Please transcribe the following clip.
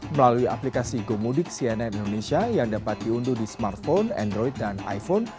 melalui aplikasi gomudik cnn indonesia yang dapat diunduh di smartphone android dan iphone